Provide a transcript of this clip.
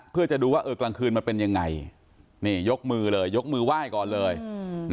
เพื่อจะดูว่าเออกลางคืนมันเป็นยังไงนี่ยกมือเลยยกมือไหว้ก่อนเลย